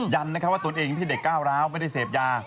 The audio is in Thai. ว่าตนเองที่เด็กก้าวร้าวไม่ได้เสพยา